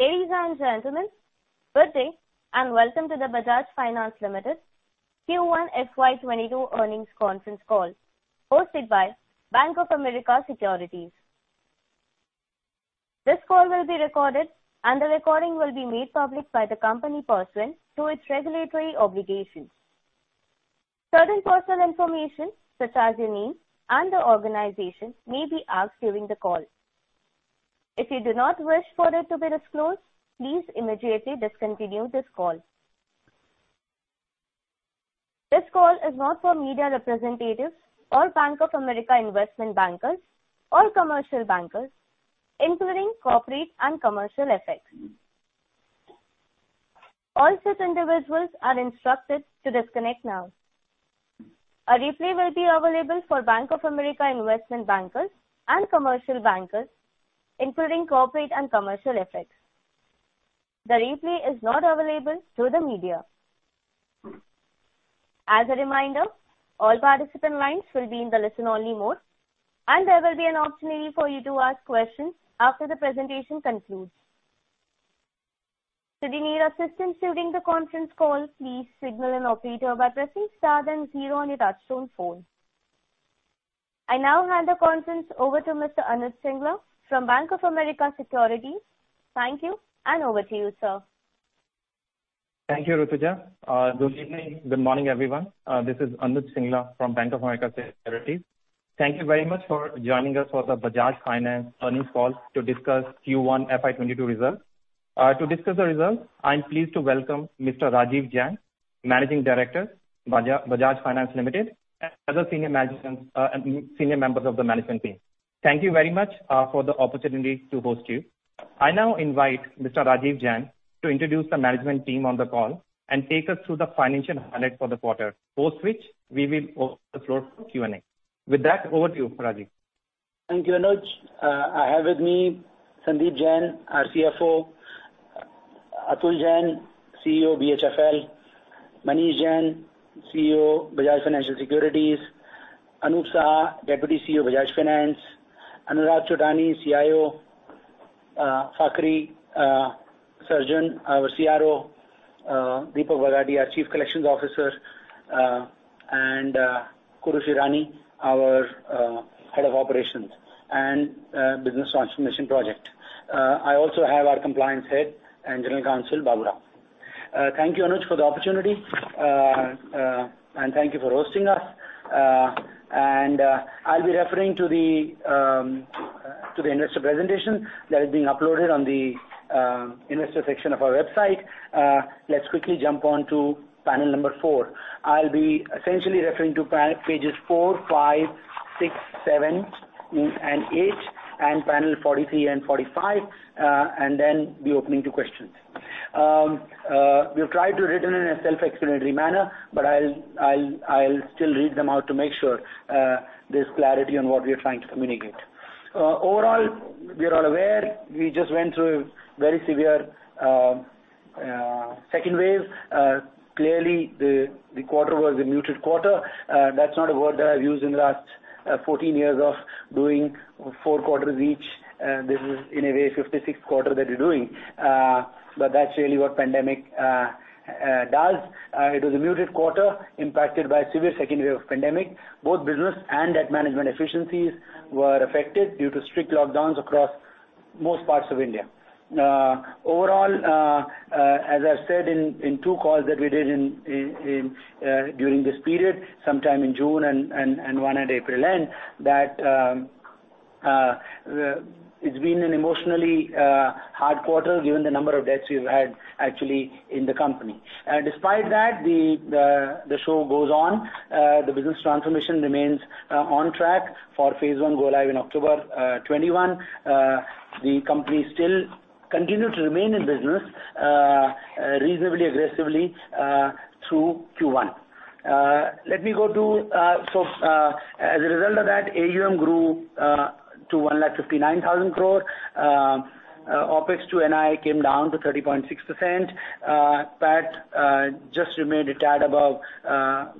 Ladies and gentlemen, good day and welcome to the Bajaj Finance Limited Q1 FY22 earnings conference call hosted by Bank of America Securities. This call will be recorded and the recording will be made public by the company pursuant to its regulatory obligations. Certain personal information such as your name and the organization may be asked during the call. If you do not wish for it to be disclosed, please immediately discontinue this call. This call is not for media representatives or Bank of America investment bankers or commercial bankers, including corporate and commercial FX. All such individuals are instructed to disconnect now. A replay will be available for Bank of America investment bankers and commercial bankers, including corporate and commercial effects. The replay is not available to the media. As a reminder, all participant lines will be in the listen-only mode, and there will be an opportunity for you to ask questions after the presentation concludes. Should you need assistance during the conference call, please signal an operator by pressing star then 0 on your touchtone phone. I now hand the conference over to Mr. Anuj Singla from Bank of America Securities. Thank you, and over to you, sir. Thank you, Rutuja. Good evening. Good morning, everyone. This is Anuj Singla from Bank of America Securities. Thank you very much for joining us for the Bajaj Finance earnings call to discuss Q1 FY22 results. To discuss the results, I am pleased to welcome Mr. Rajeev Jain, Managing Director, Bajaj Finance Limited, and other senior members of the management team. Thank you very much for the opportunity to host you. I now invite Mr. Rajeev Jain to introduce the management team on the call and take us through the financial highlight for the quarter. Post which, we will open the floor for Q&A. With that, over to you, Rajeev. Thank you, Anuj. I have with me Sandeep Jain, our CFO, Atul Jain, CEO, BHFL, Manish Jain, CEO, Bajaj Financial Securities, Anup Saha, Deputy CEO, Bajaj Finance, Anurag Chuttani, CIO, Fakhari Sarjan, our CRO, Deepak Virdi, our Chief Collections Officer, and Kurush Irani, our Head of Operations and Business Transformation Project. I also have our compliance head and general counsel, Babu. Thank you, Anuj, for the opportunity, and thank you for hosting us. I'll be referring to the investor presentation that is being uploaded on the investor section of our website. Let's quickly jump onto panel number four. I'll be essentially referring to pages four, five, six, seven, and eight, and panel 43 and 45, and then be open to questions. We have tried to write it in a self-explanatory manner, but I'll still read them out to make sure there's clarity on what we are trying to communicate. Overall, we are all aware we just went through a very severe second wave. Clearly, the quarter was a muted quarter. That's not a word that I've used in the last 14 years of doing four quarters each. This is in a way, 56th quarter that we're doing. That's really what pandemic does. It was a muted quarter impacted by a severe second wave of pandemic. Both business and debt management efficiencies were affected due to strict lockdowns across most parts of India. Overall, as I've said in two calls that we did during this period, sometime in June and one at April end, that it's been an emotionally hard quarter given the number of deaths we've had actually in the company. Despite that, the show goes on. The business transformation remains on track for phase one go live in October 2021. The company still continued to remain in business reasonably aggressively through Q1. AUM grew to 159,000 crore. Opex to NII came down to 30.6%. PAT just remained a tad above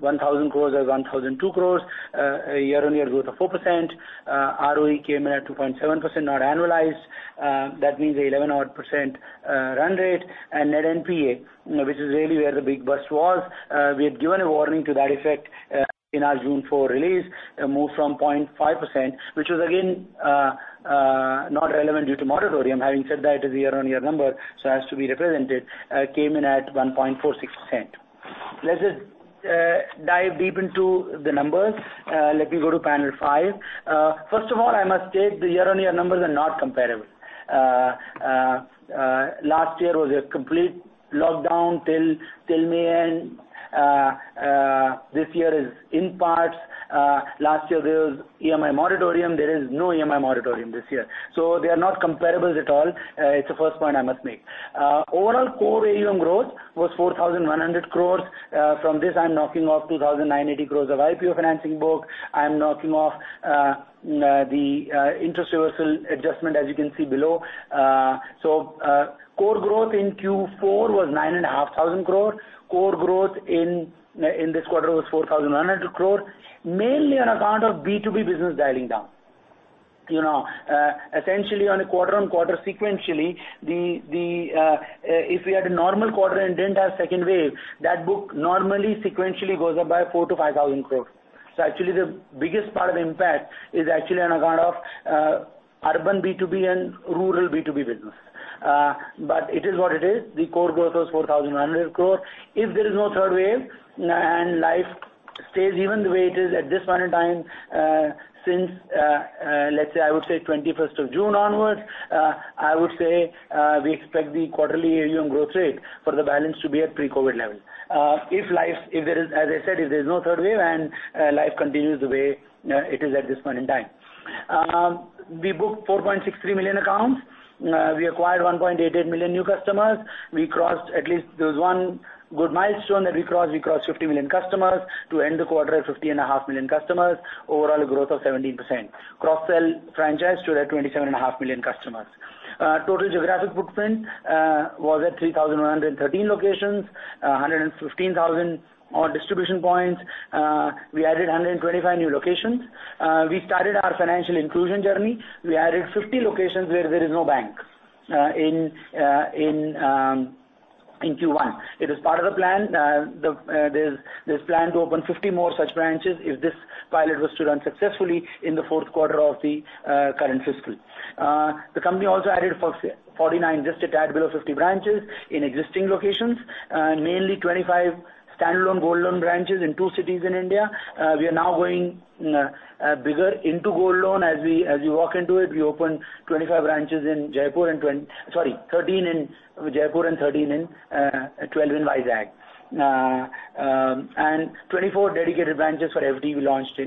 1,000 crore or 1,002 crore. A year-on-year growth of 4%. ROE came in at 2.7% not annualized. That means 11 odd percent run rate and net NPA, which is really where the big bust was. We had given a warning to that effect in our June 4 release, a move from 0.5%, which was again not relevant due to moratorium. It is a year-on-year number, so it has to be represented. It came in at 1.46%. Let's just dive deep into the numbers. Let me go to panel five. I must state the year-on-year numbers are not comparable. Last year was a complete lockdown till May end. This year is in parts. Last year there was EMI moratorium. There is no EMI moratorium this year. They are not comparables at all. It's the first point I must make. Overall core AUM growth was 4,100 crores. From this, I'm knocking off 2,980 crores of IPO financing book. I'm knocking off the interest reversal adjustment, as you can see below. Core growth in Q4 was 9,500 crores. Core growth in this quarter was 4,100 crores, mainly on account of B2B business dialing down. Essentially on a quarter-on-quarter sequentially, if we had a normal quarter and didn't have second wave, that book normally sequentially goes up by 4,000-5,000 crores. Actually the biggest part of impact is actually on account of urban B2B and rural B2B business. It is what it is. The core growth was 4,100 crores. If there is no third wave and life stays even the way it is at this point in time since, let's say, I would say 21st of June onwards, I would say, we expect the quarterly AUM growth rate for the balance to be at pre-COVID level. As I said, if there's no third wave and life continues the way it is at this point in time. We booked 4.63 million accounts. We acquired 1.88 million new customers. There was one good milestone that we crossed. We crossed 50 million customers to end the quarter at 50.5 million customers. Overall growth of 17%. Cross sell franchise stood at 27.5 million customers. Total geographic footprint was at 3,113 locations, 115,000-odd distribution points. We added 125 new locations. We started our financial inclusion journey. We added 50 locations where there is no bank in Q1. It is part of the plan. There's plan to open 50 more such branches if this pilot was to run successfully in the fourth quarter of the current fiscal. The company also added 49, just a tad below 50 branches in existing locations, mainly 25 standalone gold loan branches in two cities in India. As we walk into it, we opened 13 in Jaipur and 12 in Vizag. 24 dedicated branches for FD we launched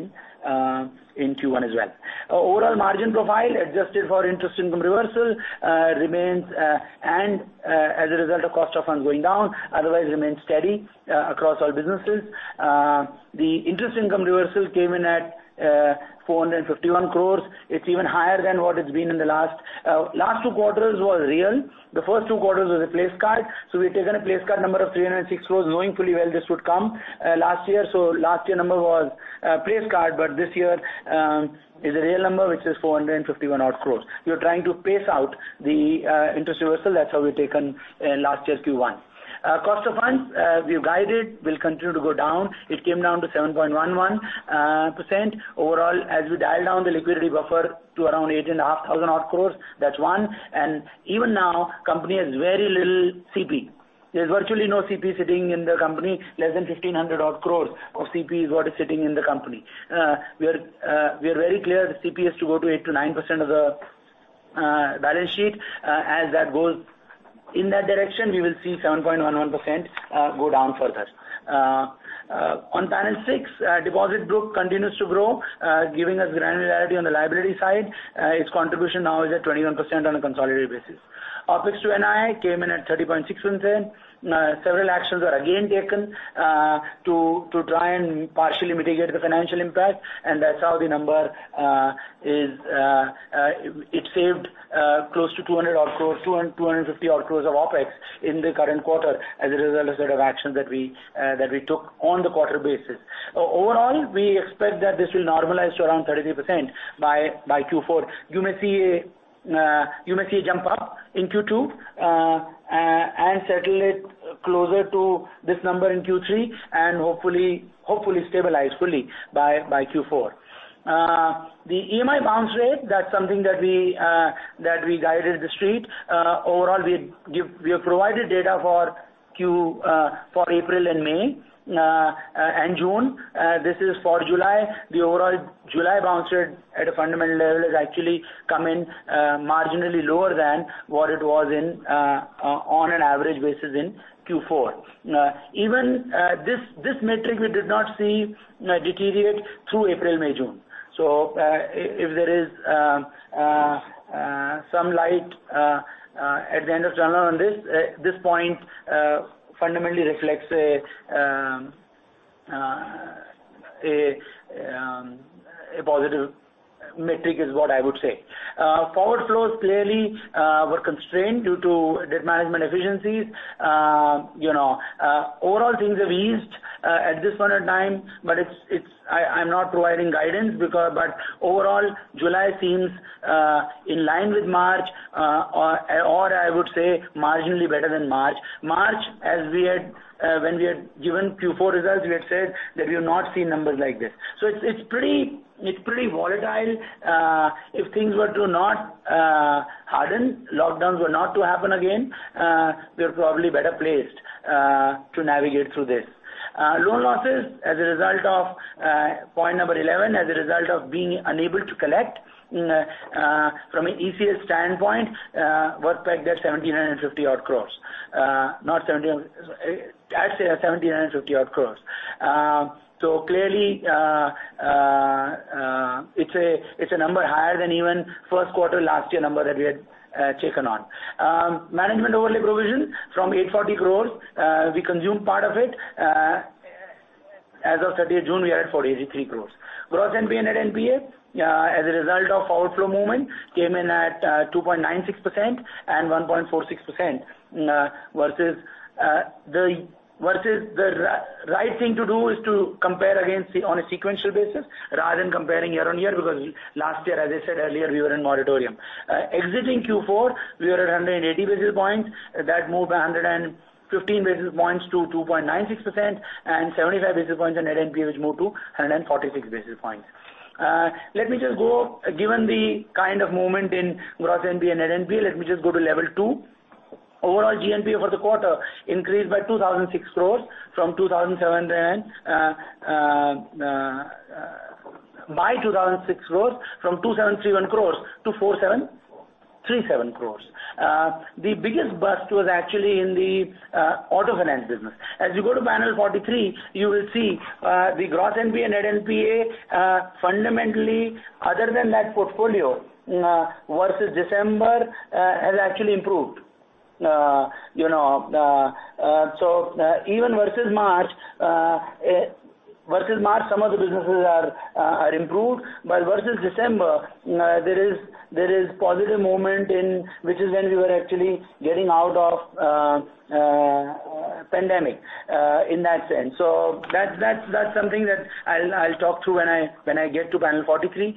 in Q1 as well. Overall margin profile adjusted for interest income reversal remains, and as a result of cost of funds going down, otherwise remains steady across all businesses. The interest income reversal came in at 451 crore. It's even higher than what it's been in the last. Last two quarters was real. The first two quarters was a placeholder. We've taken a place card number of 306 crores, knowing fully well this would come last year. Last year number was a place card, but this year is a real number, which is 451 odd crores. We are trying to pace out the interest reversal. That's how we've taken last year's Q1. Cost of funds, we've guided, will continue to go down. It came down to 7.11% overall as we dial down the liquidity buffer to around 8,500 odd crores. That's one. Even now, company has very little CP. There's virtually no CP sitting in the company. Less than 1,500 odd crores of CP is what is sitting in the company. We are very clear the CP has to go to 8%-9% of the balance sheet. As that goes in that direction, we will see 7.11% go down further. On panel six, deposit book continues to grow, giving us granularity on the liability side. Its contribution now is at 21% on a consolidated basis. Opex to NII came in at 30.61%. Several actions are again taken to try and partially mitigate the financial impact, and that's how the number is. It saved close to 200 odd crores, 250 odd crores of Opex in the current quarter as a result of set of actions that we took on the quarter-basis. Overall, we expect that this will normalize to around 33% by Q4. You may see a jump up in Q2, and settle it closer to this number in Q3 and hopefully stabilize fully by Q4. The EMI bounce rate, that's something that we guided the street. Overall, we have provided data for April and May and June. This is for July. The overall July bounce rate at a fundamental level has actually come in marginally lower than what it was on an average basis in Q4. Even this metric we did not see deteriorate through April, May, June. If there is some light at the end of tunnel on this point fundamentally reflects a positive metric is what I would say. Forward flows clearly were constrained due to debt management efficiencies. Overall things have eased at this point in time, I'm not providing guidance because, overall July seems in line with March, or I would say marginally better than March. March, when we had given Q4 results, we had said that we have not seen numbers like this. It's pretty volatile. If things were to not harden, lockdowns were not to happen again, we're probably better placed to navigate through this. Loan losses, point number 11, as a result of being unable to collect from an ECS standpoint, worked like that 1,750 odd crores. I'd say a 1,750 odd crores. Clearly, it's a number higher than even first quarter last year number that we had taken on. Management overlay provision from 840 crores, we consumed part of it. As of 30th June, we are at 483 crores. Gross NPA, net NPA, as a result of outflow movement, came in at 2.96% and 1.46% versus the right thing to do is to compare against on a sequential basis rather than comparing year-on-year, because last year, as I said earlier, we were in moratorium. Exiting Q4, we were at 180 basis points. That moved 115 basis points to 2.96% and 75 basis points in net NPA, which moved to 146 basis points. Given the kind of movement in gross NPA and net NPA, let me just go to level two. Overall GNPA for the quarter increased by 2,006 crores from 2,731 crores to 4,737 crores. The biggest burst was actually in the Auto finance business. You go to panel 43, you will see the gross NPA, net NPA, fundamentally, other than that portfolio versus December, has actually improved. Even versus March, some of the businesses are improved. Versus December, there is positive movement in which is when we were actually getting out of pandemic, in that sense. That's something that I'll talk through when I get to panel 43.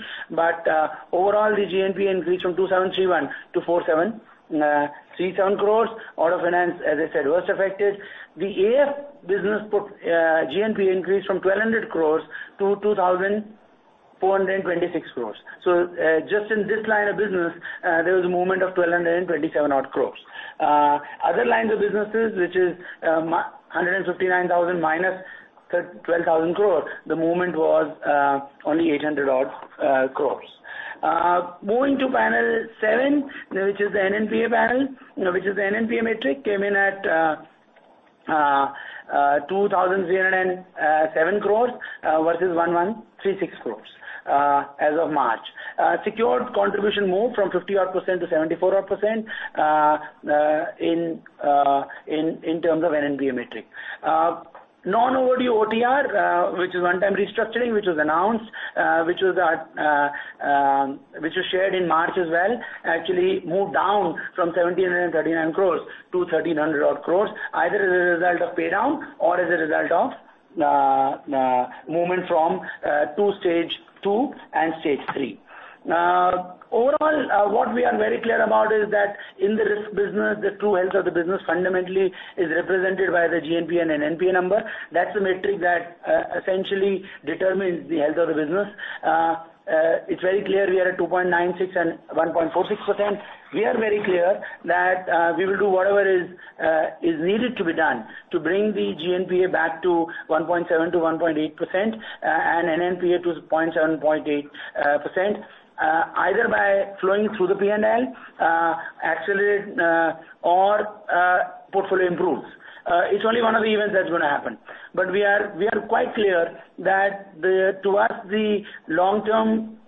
Overall, the GNPA increased from 2,731 to 4,737 crores. Auto finance, as I said, was affected. The AF business GNPA increased from 1,200 crores to 2,426 crores. Just in this line of business, there was a movement of 1,227 odd crores. Other lines of businesses, which is 159,000 minus 12,000 crores, the movement was only 800 odd crores. Moving to panel seven, which is the NNPA panel, which is the NNPA metric, came in at 2,307 crores versus 1,136 crores as of March. Secured contribution moved from 50-odd% to 74-odd% in terms of NNPA metric. Non-OD OTR, which is one-time restructuring, which was announced, which was shared in March as well, actually moved down from 1,739 crores to 1,300 odd crores, either as a result of pay down or as a result of movement from two stage two and stage three. Overall, what we are very clear about is that in the risk business, the true health of the business fundamentally is represented by the GNPA and NNPA number. That's the metric that essentially determines the health of the business. It's very clear we are at 2.96% and 1.46%. We are very clear that we will do whatever is needed to be done to bring the GNPA back to 1.7%-1.8% and NNPA to 0.7%-0.8%, either by flowing through the P&L actually or portfolio improves. It's only one of the events that's going to happen. We are quite clear that towards the long-term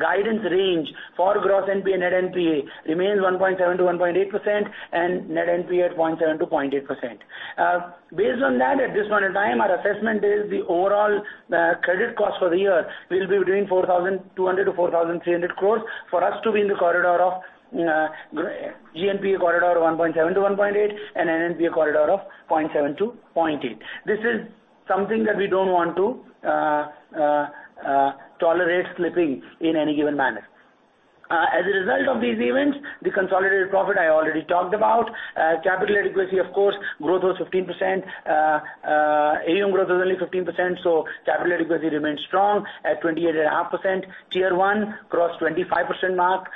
guidance range for gross NPA and net NPA remains 1.7%-1.8% and net NPA at 0.7%-0.8%. Based on that, at this point in time, our assessment is the overall credit cost for the year will be between 4,200 crore-4,300 crore for us to be in the GNPA corridor of 1.7%-1.8% and NNPA corridor of 0.7%-0.8%. This is something that we don't want to tolerate slipping in any given manner. As a result of these events, the consolidated profit I already talked about. Capital adequacy, of course, growth was 15%. AUM growth was only 15%, so capital adequacy remains strong at 28.5%. Tier one crossed 25% mark.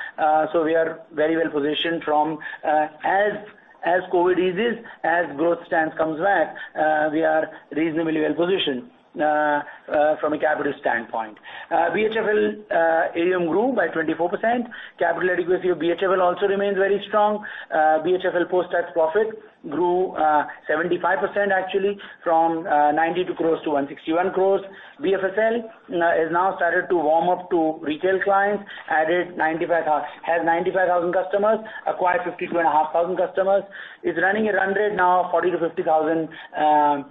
We are very well positioned from as COVID eases, as growth stance comes back, we are reasonably well positioned from a capital standpoint. BHFL AUM grew by 24%. Capital adequacy of BHFL also remains very strong. BHFL post-tax profit grew 75%, actually, from 92 crores to 161 crores. BFSL has now started to warm up to retail clients, has 95,000 customers, acquired 52,500 customers. It is running a run rate now of 40,000-50,000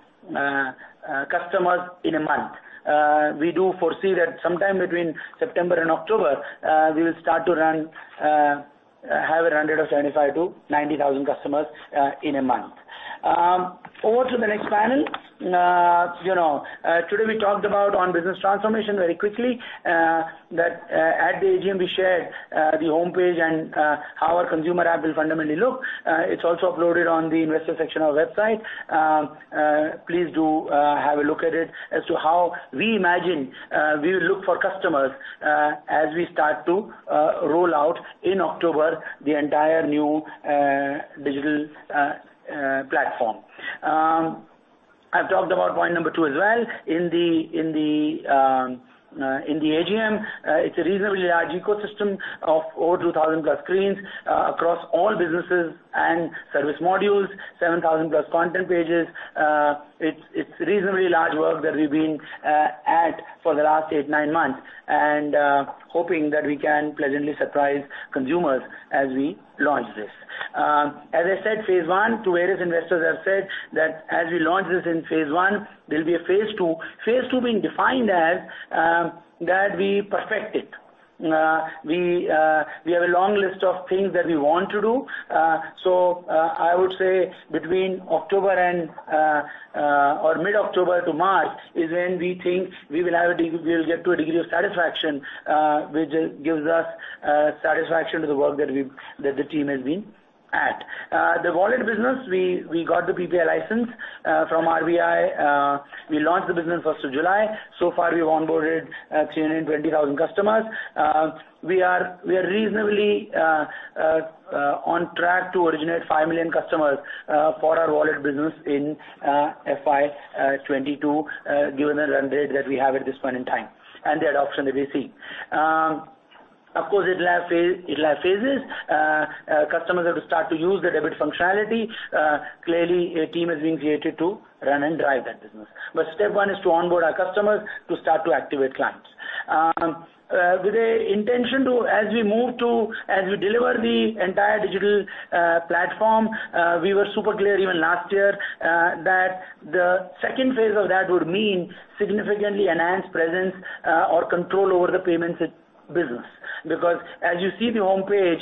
customers in a month. We do foresee that sometime between September and October, we will start to have a run rate of 75,000-90,000 customers in a month. Over to the next panel. Today we talked about on business transformation very quickly, that at the AGM we shared the homepage and how our consumer app will fundamentally look. It's also uploaded on the investor section of our website. Please do have a look at it as to how we imagine we will look for customers as we start to roll out in October, the entire new digital platform. I've talked about point number two as well in the AGM. It's a reasonably large ecosystem of over 2,000-plus screens across all businesses and service modules, 7,000-plus content pages. It's reasonably large work that we've been at for the last eight, nine months, and hoping that we can pleasantly surprise consumers as we launch this. As I said, phase one to various investors have said that as we launch this in phase one, there will be a phase two. Phase two being defined as that we perfect it. We have a long list of things that we want to do. I would say between October or mid-October to March is when we think we'll get to a degree of satisfaction, which gives us satisfaction to the work that the team has been at. The wallet business, we got the PPI license from RBI. We launched the business 1st of July. So far, we've onboarded 320,000 customers. We are reasonably on track to originate 5 million customers for our wallet business in FY 2022, given the run rate that we have at this point in time and the adoption that we're seeing. Of course, it'll have phases. Customers have to start to use the debit functionality. Clearly, a team has been created to run and drive that business. Step one is to onboard our customers to start to activate clients. With the intention to, as we deliver the entire digital platform, we were super clear even last year, that the second phase of that would mean significantly enhanced presence or control over the payments business. As you see the homepage,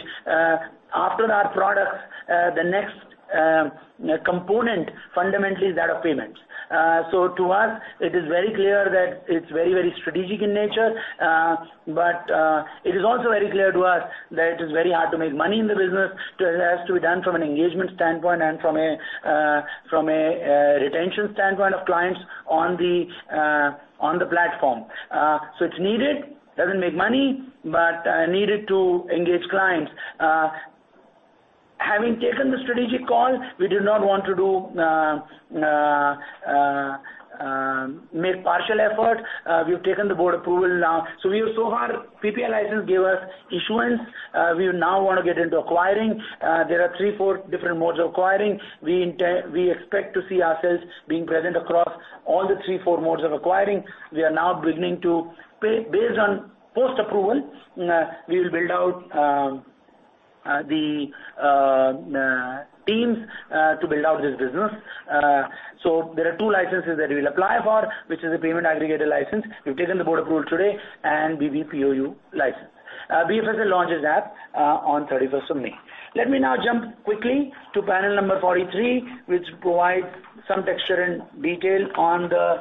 after our products, the next component fundamentally is that of payments. To us, it is very clear that it's very, very strategic in nature, but it is also very clear to us that it is very hard to make money in the business. It has to be done from an engagement standpoint and from a retention standpoint of clients on the platform. It's needed, doesn't make money, but needed to engage clients. Having taken the strategic call, we do not want to make partial effort. We've taken the board approval now. So far, PPI license gave us issuance. We now want to get into acquiring. There are three, four different modes of acquiring. We expect to see ourselves being present across all the three, four modes of acquiring. We are now beginning to pay based on post-approval. We will build out the teams to build out this business. There are two licenses that we'll apply for, which is a payment aggregator license. We've taken the board approval today, and BBPOU license. BFSL launches app on 31st of May. Let me now jump quickly to panel number 43, which provides some texture and detail on the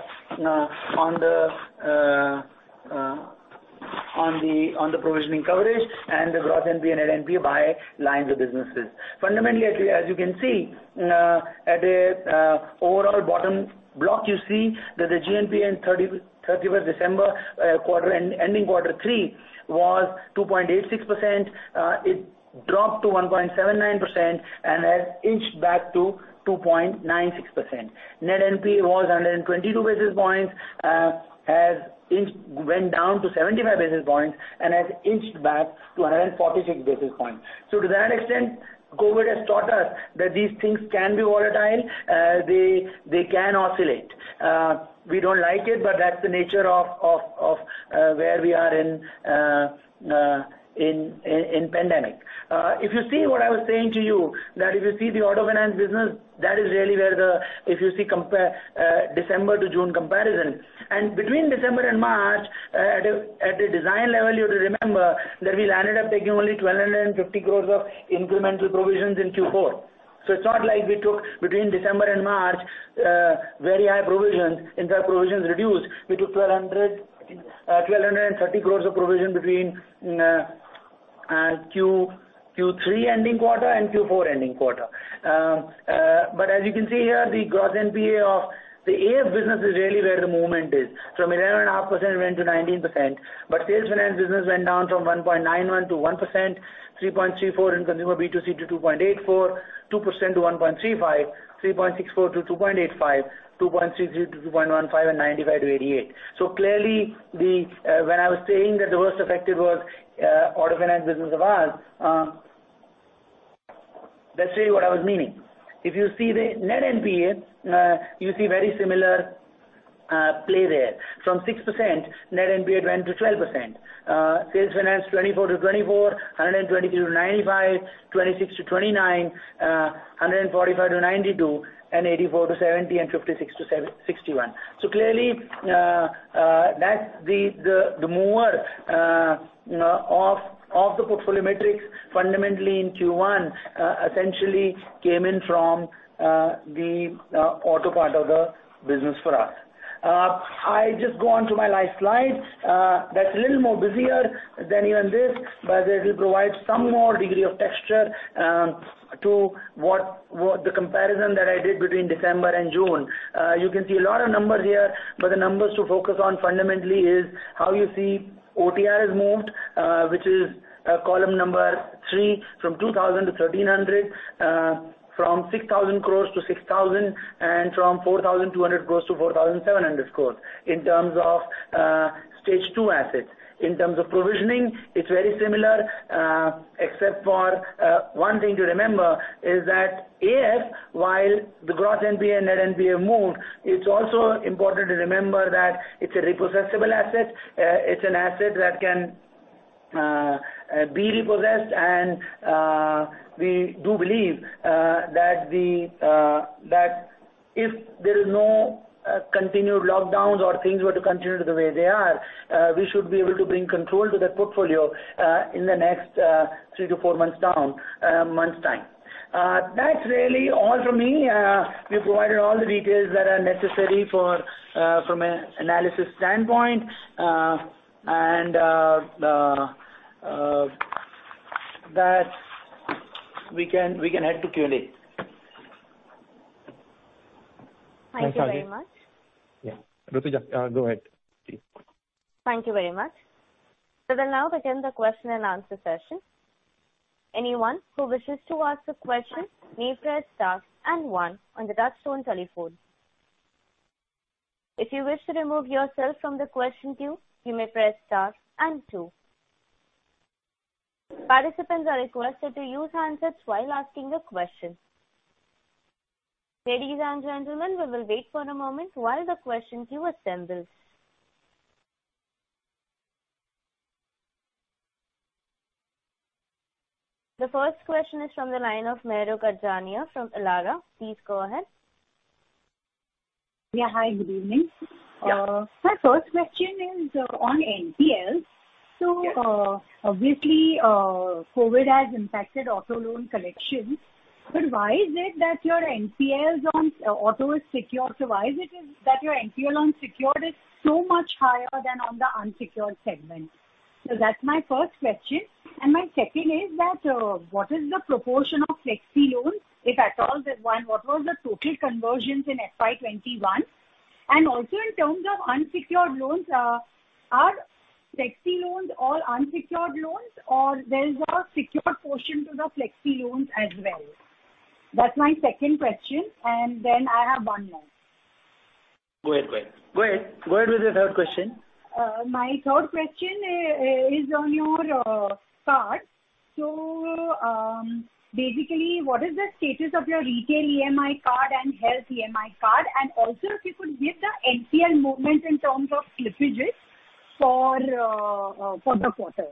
provisioning coverage and the Gross NPA, Net NPA by lines of businesses. Fundamentally, as you can see, at the overall bottom block, you see that the GNPA on 31st December, ending quarter three was 2.86%. It dropped to 1.79% and has inched back to 2.96%. Net NPA was 122 basis points, went down to 75 basis points and has inched back to 146 basis points. To that extent, COVID has taught us that these things can be volatile, they can oscillate. We don't like it, but that's the nature of where we are in pandemic. If you see what I was saying to you, that if you see the auto finance business, that is really where the, if you see December to June comparison. Between December and March, at the design level, you have to remember that we landed up taking only 1,250 crore of incremental provisions in Q4. It's not like we took between December and March, very high provisions. In fact, provisions reduced. We took 1,230 crore of provision between Q3 ending quarter and Q4 ending quarter. As you can see here, the gross NPA of the AF business is really where the movement is. From 11.5%, it went to 19%. Sales finance business went down from 1.91% to 1%, 3.34% in consumer B2C to 2.84%, 2% to 1.35%, 3.64% to 2.85%, 2.60% to 2.15% and 95% to 88%. Clearly, when I was saying that the worst affected was auto finance business of ours, that's really what I was meaning. If you see the net NPA, you see very similar play there. From 6%, net NPA went to 12%. Sales finance, 24% to 24%, 123% to 95%, 26% to 29%, 145% to 92%, and 84% to 70% and 56% to 61%. Clearly, the mover of the portfolio metrics fundamentally in Q1, essentially came in from the auto part of the business for us. I just go on to my last slide. That's a little more busier than even this, but it will provide some more degree of texture to the comparison that I did between December and June. You can see a lot of numbers here, but the numbers to focus on fundamentally is how you see OTR has moved, which is column three from 2,000 crore to 1,300 crore, from 6,000 crore to 6,000 crore and from 4,200 crore to 4,700 crore in terms of stage two assets. In terms of provisioning, it's very similar, except for one thing to remember is that AF, while the gross NPA, net NPA moved, it's also important to remember that it's a repossessable asset. It's an asset that can be repossessed and we do believe that if there is no continued lockdowns or things were to continue the way they are, we should be able to bring control to that portfolio in the next three to four months' time. That's really all from me. We have provided all the details that are necessary from an analysis standpoint, and that we can head to Q&A. Thank you very much. Yeah. Rutuja, go ahead, please. Thank you very much. We will now begin the question and answer session. Anyone who wishes to ask a question may press star and one on the touch-tone telephone. If you wish to remove yourself from the question queue, you may press star and two. Participants are requested to use handsets while asking the questions. Ladies and gentlemen, we will wait for a moment while the question queue assembles. The first question is from the line of Mahrukh Adajania from Elara. Please go ahead. Yeah, hi, good evening. My first question is on NPLs. Yes. Obviously, COVID has impacted auto loan collections. Why is it that your NPLs on auto is secured? Why is it that your NPL on secured is so much higher than on the unsecured segment? That's my first question. My second is that, what is the proportion of Flexi Loans, if at all? What was the total conversions in FY 2021? Also in terms of unsecured loans, are Flexi Loans all unsecured loans or there is a secured portion to the Flexi Loans as well? That's my second question, and then I have one more. Go ahead. Go ahead with your third question. My third question is on your card. Basically, what is the status of your retail EMI card and Health EMI card? Also if you could give the NPL movements in terms of slippages for the quarter.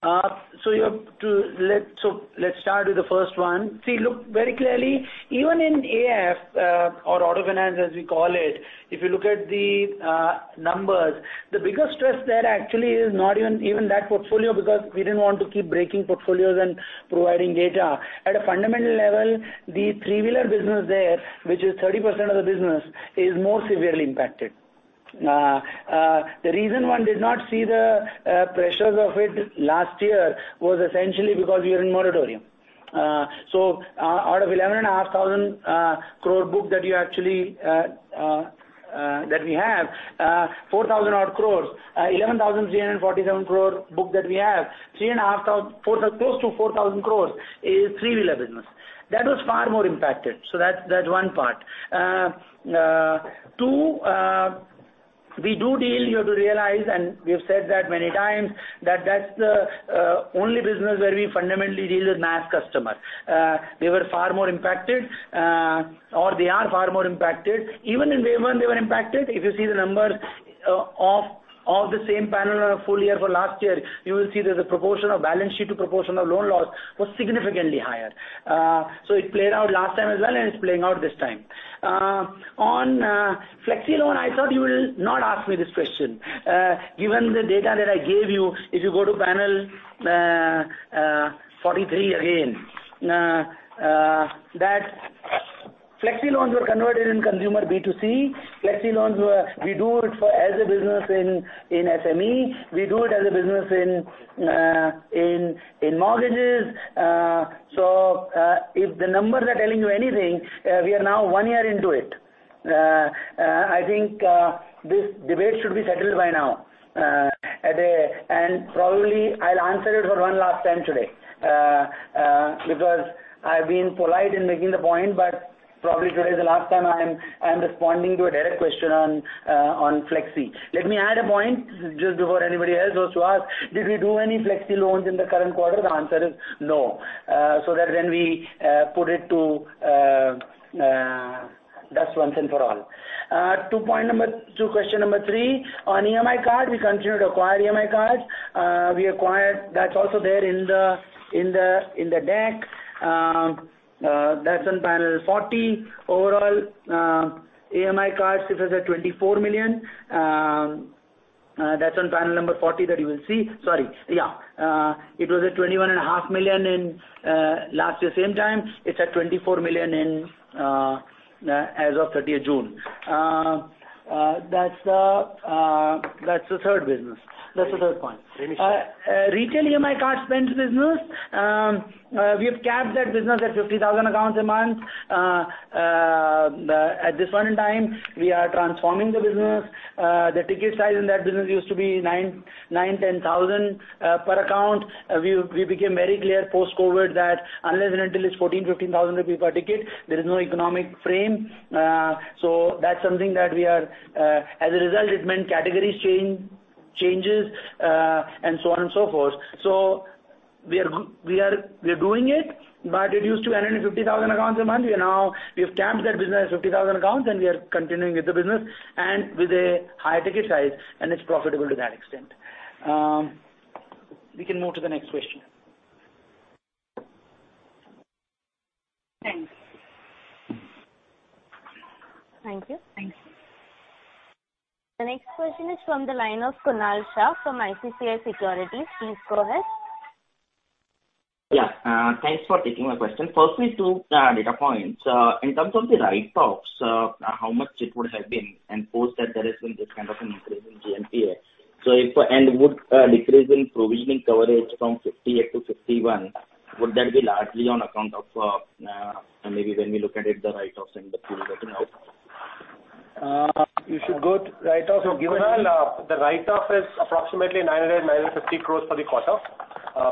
Let's start with the first one. See, look very clearly, even in AF or auto finance, as we call it, if you look at the numbers, the biggest stress there actually is not even that portfolio because we didn't want to keep breaking portfolios and providing data. At a fundamental level, the three-wheeler business there, which is 30% of the business, is more severely impacted. The reason one did not see the pressures of it last year was essentially because we were in moratorium. Out of 11 and a half thousand crore book that we have, 4,000 odd crores, 11,347 crore book that we have, close to 4,000 crores is three-wheeler business. That was far more impacted. That's one part. Two, we do deal, you have to realize, and we have said that many times, that that's the only business where we fundamentally deal with mass customers. They were far more impacted, or they are far more impacted. Even in Wave one they were impacted. If you see the numbers of the same panel on a full year for last year, you will see the proportion of balance sheet to proportion of loan loss was significantly higher. It played out last time as well and it's playing out this time. On Flexi Loans, I thought you will not ask me this question. Given the data that I gave you, if you go to Panel 43 again, that Flexi Loans were converted in consumer B2C. Flexi Loans, we do it for as a business in SME, we do it as a business in mortgages. If the numbers are telling you anything, we are now one year into it. I think this debate should be settled by now. Probably I'll answer it for one last time today because I've been polite in making the point, but probably today is the last time I am responding to a direct question on Flexi. Let me add a point just before anybody else wants to ask. Did we do any Flexi Loans in the current quarter? The answer is no. That's once and for all. To question number three, on EMI card, we continue to acquire EMI cards. That's also there in the deck. That's on panel 40. Overall, EMI cards, it was at 24 million. That's on panel number 40 that you will see. Sorry. It was at 21.5 million in last year same time. It's at 24 million as of 30th June. That's the third business. That's the third point. Finish. Retail EMI card spends business, we have capped that business at 50,000 accounts a month. At this point in time, we are transforming the business. The ticket size in that business used to be 9,000-10,000 per account. We became very clear post-moratorium that unless and until it's 14,000-15,000 rupees per ticket, there is no economic frame. As a result, it meant category changes, and so on and so forth. We are doing it, but it used to handle 50,000 accounts a month. We have capped that business at 50,000 accounts, and we are continuing with the business and with a higher ticket size, and it's profitable to that extent. We can move to the next question. Thanks. Thank you. Thanks. The next question is from the line of Kunal Shah from ICICI Securities. Please go ahead. Yeah. Thanks for taking my question. Firstly, two data points. In terms of the write-offs, how much it would have been and post that there has been this kind of an increase in GNPA. Would decrease in provisioning coverage from 58%-51%, would that be largely on account of maybe when we look at it, the write-offs in the pool that you have? Kuntal, the write-off is approximately 900 crore-950 crore for the quarter.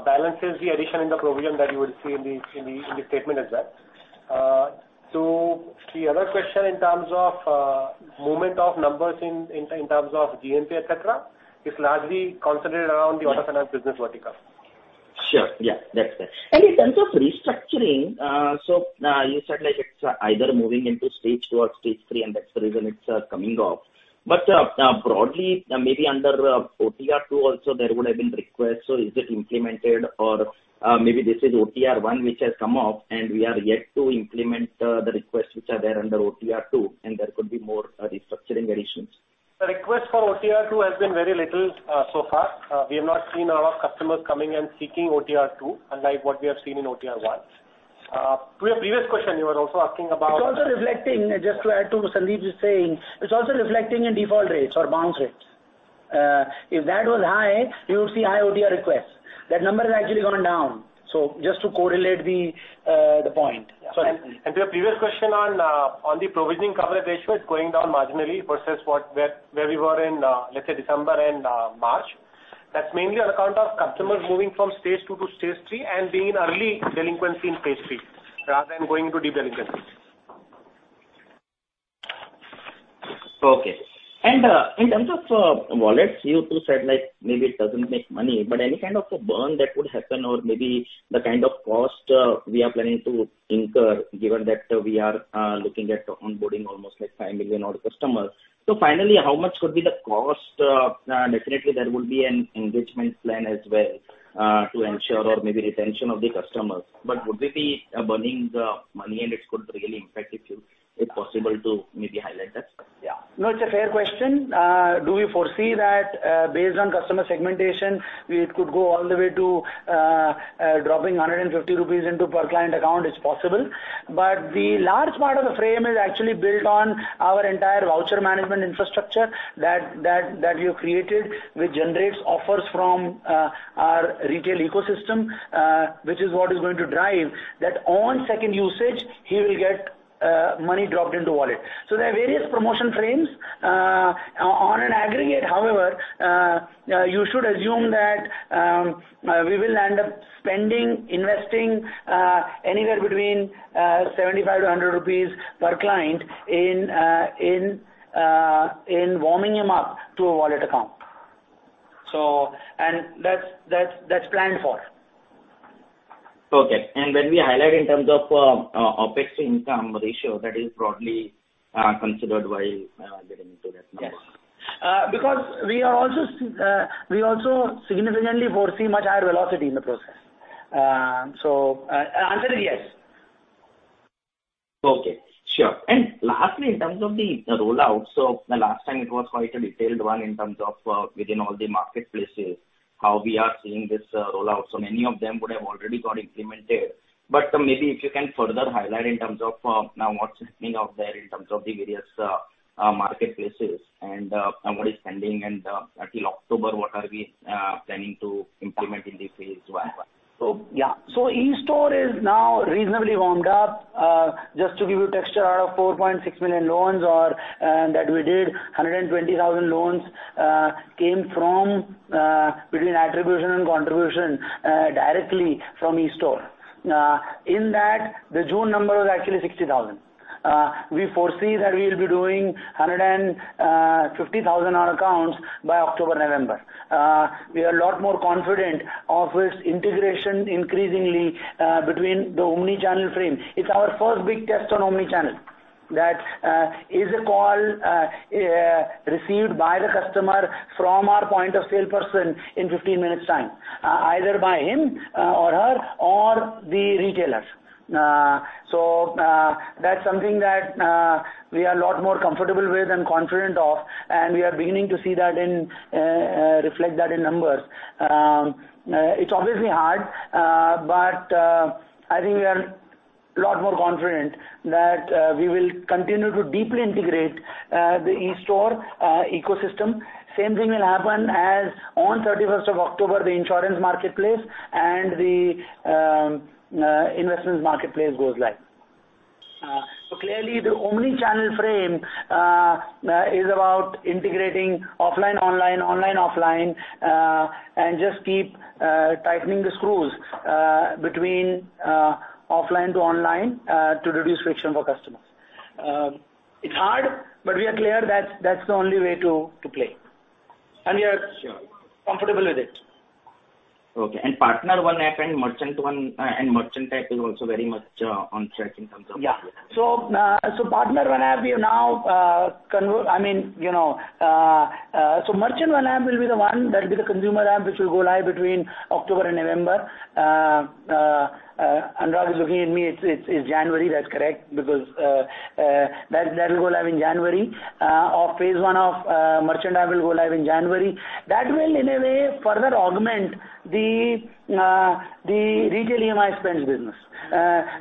Balance is the addition in the provision that you would see in the statement as well. To the other question in terms of movement of numbers in terms of GNPA, et cetera, is largely concentrated around the auto finance business vertical. Sure. Yeah, that's fair. In terms of restructuring, you said like it's either moving into stage two or stage three, and that's the reason it's coming off. Broadly, maybe under OTR-2 also there would've been requests. Is it implemented or maybe this is OTR-1 which has come off, and we are yet to implement the requests which are there under OTR-2, and there could be more restructuring additions? The request for OTR-2 has been very little so far. We have not seen a lot of customers coming and seeking OTR-2 unlike what we have seen in OTR-1. To your previous question, you were also asking. It's also reflecting, just to add to what Sandeep is saying, it's also reflecting in default rates or bounce rates. If that was high, you would see high OTR requests. That number has actually gone down. Just to correlate the point. Yeah. Sorry. To your previous question on the provisioning coverage ratio, it's going down marginally versus where we were in, let's say, December and March. That's mainly on account of customers moving from stage two to stage three and being early delinquency in stage three rather than going into deep delinquency. Okay. In terms of wallets, you two said, like maybe it doesn't make money, but any kind of a burn that would happen or maybe the kind of cost we are planning to incur, given that we are looking at onboarding almost 5 million odd customers. Finally, how much could be the cost? Definitely, there would be an engagement plan as well, to ensure or maybe retention of the customers. Would we be burning money and it could really impact if possible to maybe highlight that? Yeah. It's a fair question. Do we foresee that based on customer segmentation, we could go all the way to dropping 150 rupees into per client account? It's possible. The large part of the frame is actually built on our entire voucher management infrastructure that we have created, which generates offers from our retail ecosystem, which is what is going to drive that on second usage, he will get money dropped into wallet. There are various promotion frames. On an aggregate, however, you should assume that we will end up spending, investing anywhere between 75-100 rupees per client in warming him up to a wallet account. That's planned for. Okay. When we highlight in terms of Opex to income ratio, that is broadly considered while getting to that number. Yes. Because we also significantly foresee much higher velocity in the process. Answer is yes. Okay. Sure. Lastly, in terms of the rollout, the last time it was quite a detailed one in terms of within all the marketplaces, how we are seeing this rollout. Many of them would have already got implemented, but maybe if you can further highlight in terms of now what's happening out there in terms of the various marketplaces and what is pending and till October, what are we planning to implement in the phase one? Yeah. eStore is now reasonably warmed up. Just to give you texture, out of 4.6 million loans that we did, 120,000 loans came from between attribution and contribution, directly from eStore. In that, the June number was actually 60,000. We foresee that we'll be doing 150,000 odd accounts by October, November. We are a lot more confident of its integration increasingly, between the omni-channel frame. It's our first big test on omni-channel. That is a call received by the customer from our point of sale person in 15 minutes time, either by him or her or the retailers. That's something that we are a lot more comfortable with and confident of, and we are beginning to see that and reflect that in numbers. It's obviously hard, but I think we are a lot more confident that we will continue to deeply integrate the eStore ecosystem. Same thing will happen as on 31st of October, the insurance marketplace and the investments marketplace goes live. Clearly the omni-channel frame is about integrating offline-online, online-offline, and just keep tightening the screws between offline to online to reduce friction for customers. It's hard, but we are clear that's the only way to play, and we are- Sure comfortable with it. Okay. Partner One app and Merchant One and Merchant app is also very much on track in terms of. Partner One app, Merchant One app will be the one that will be the consumer app, which will go live between October and November. Anurag is looking at me. It's January, that's correct, because that will go live in January. Phase one of Merchant app will go live in January. That will, in a way, further augment the retail EMI spends business.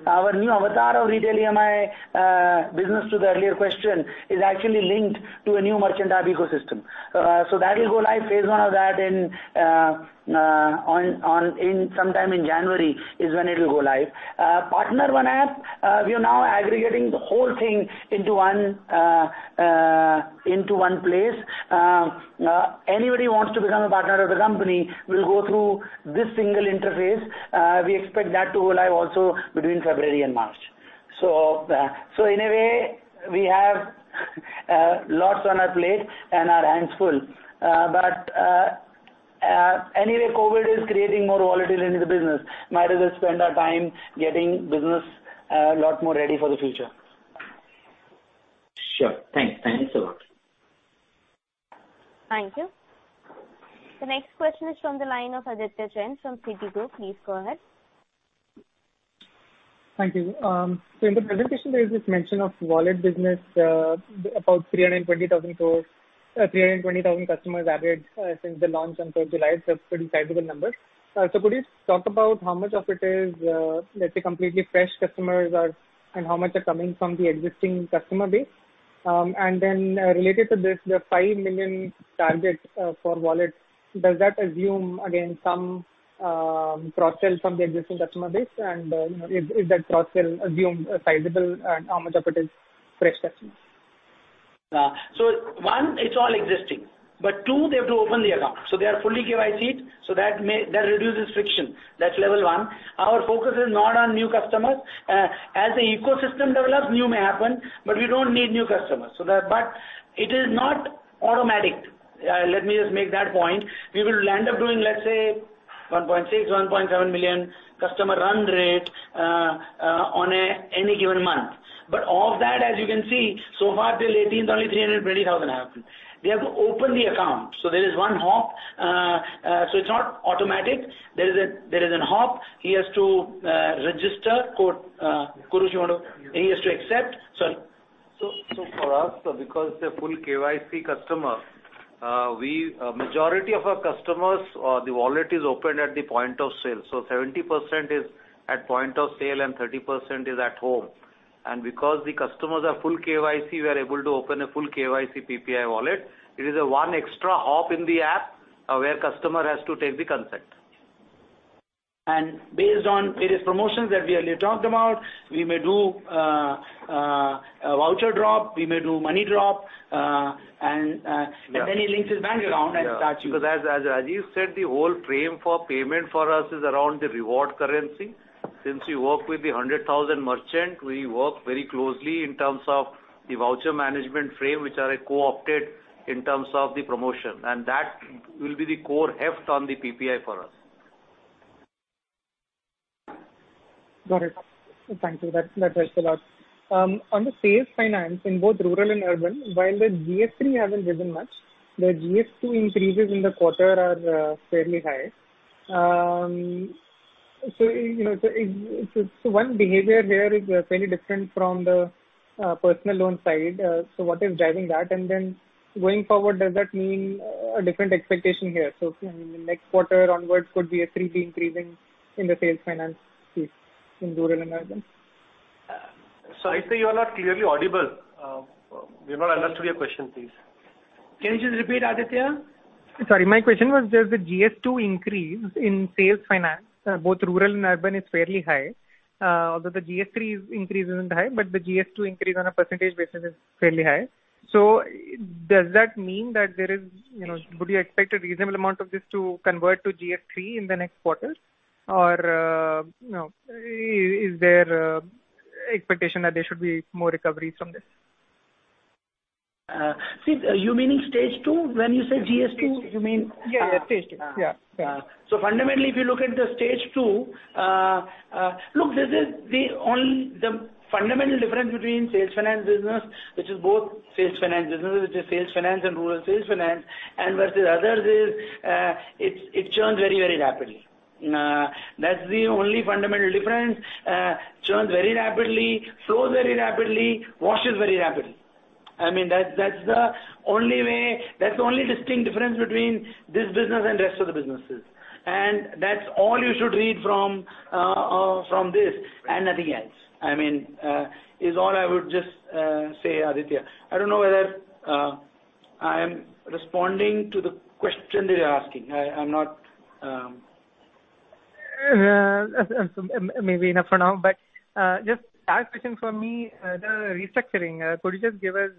Our new avatar of retail EMI business to the earlier question is actually linked to a new merchant app ecosystem. That will go live, phase oe of that, sometime in January is when it'll go live. Partner One app, we are now aggregating the whole thing into one place. Anybody who wants to become a partner of the company will go through this single interface. We expect that to go live also between February and March. In a way, we have lots on our plate and our hands full. Anyway, COVID is creating more volatility into the business. Might as well spend our time getting business a lot more ready for the future. Sure. Thanks. Thank you so much. Thank you. The next question is from the line of Aditya Jain from Citigroup. Please go ahead. Thank you. In the presentation, there is this mention of wallet business, about 320,000 customers added since the launch on 3rd July. That's a pretty sizable number. Could you talk about how much of it is, let's say, completely fresh customers, and how much are coming from the existing customer base? Related to this, the 5 million target for wallet, does that assume again, some cross-sell from the existing customer base? If that cross-sell assumes sizable, how much of it is fresh customers? One, it's all existing. Two, they have to open the account, so they are fully KYC'd, so that reduces friction. That's level one. Our focus is not on new customers. As the ecosystem develops, new may happen, but we don't need new customers. It is not automatic. Let me just make that point. We will land up doing, let's say, 1.6, 1.7 million customer run rate on any given month. Of that, as you can see, so far till 18th, only 320,000 happened. They have to open the account. There is 1 hop. It's not automatic. There is an hop. He has to register. Could, you want to? He has to accept. Sorry. For us, because they're full KYC customers, majority of our customers, the wallet is opened at the point of sale. 70% is at point of sale and 30% is at home. Because the customers are full KYC, we are able to open a full KYC PPI wallet. It is a one extra hop in the app, where customer has to take the consent. Based on various promotions that we earlier talked about, we may do a voucher drop, we may do money drop. Yeah If any links is back around and start using. As Rajeev said, the whole frame for payment for us is around the reward currency. Since we work with the 100,000 merchant, we work very closely in terms of the voucher management frame, which are co-opted in terms of the promotion, and that will be the core heft on the PPI for us. Got it. Thank you. That helps a lot. On the sales finance in both rural and urban, while the GS3 haven't risen much, the GS2 increases in the quarter are fairly high. One behavior here is fairly different from the personal loan side. What is driving that, and then going forward, does that mean a different expectation here? Next quarter onwards could be a 3B increase in the sales finance piece in rural and urban. Sorry, sir, you are not clearly audible. We have not understood your question, please. Can you just repeat, Aditya? Sorry. My question was, does the GS2 increase in sales finance, both rural and urban, is fairly high. Although the GS3 increase isn't high, but the GS2 increase on a percentage basis is fairly high. Would you expect a reasonable amount of this to convert to GS3 in the next quarter? Or no. Is there expectation that there should be more recoveries from this? See, you meaning stage two? When you say GS2, you mean- Yeah, yeah. Stage two. Yeah. Fundamentally, if you look at the stage two, the fundamental difference between sales finance business, which is sales finance and rural sales finance, and versus others is, it churns very rapidly. That's the only fundamental difference. Churns very rapidly, flows very rapidly, washes very rapidly. That's the only distinct difference between this business and rest of the businesses. That's all you should read from this, and nothing else, is all I would just say, Aditya. I don't know whether I am responding to the question that you are asking. Maybe enough for now, but just last question from me. The restructuring. Could you just give us